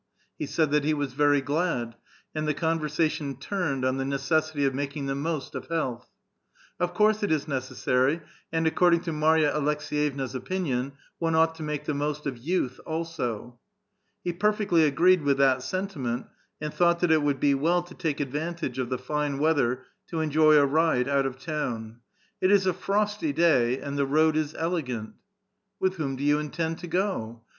He said that he was very glad, and the conversation turned on the necessity of making the most of health. " Of course it is necessary, and accordiug to Marya Aleks<5yevna's opinion, one ought to make the most of youth also.*' He perfectly agreed with that sentiment, and thought that it would be well to take advantage of the fine weather to enjoy a ride out of town :*' It is a frosty day, and the road is elegant." " With whom do you intend to go?"